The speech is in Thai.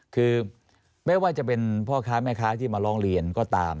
คือไม่ว่าจะเป็นพ่อค้าแม่ค้าที่มาร้องเรียนก็ตาม